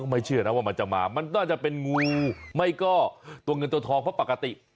ไม่เชื่อนะว่ามันจะมามันน่าจะเป็นงูไม่ก็ตัวเงินตัวทองเพราะปกติ